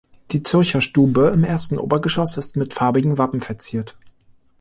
Die "Zürcher Stube" im ersten Obergeschoss ist mit farbigen Wappen verziert.